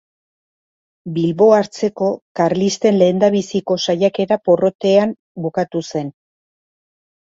Bilbo hartzeko karlisten lehendabiziko saiakera porrotean bukatu zen.